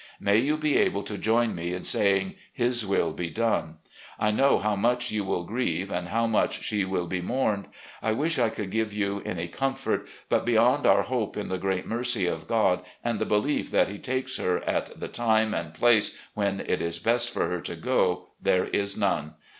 May you be able to join me in saying 'His will be done!' ... I know how much you will grieve and how much she will be mourned. I wish I could give you any comfort, but beyond our hope in the great mercy of God, and the belief that He takes her at the time and place when it is best for her to go, there is none.